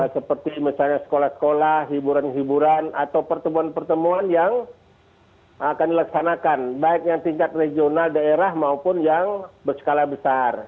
seperti misalnya sekolah sekolah hiburan hiburan atau pertemuan pertemuan yang akan dilaksanakan baik yang tingkat regional daerah maupun yang berskala besar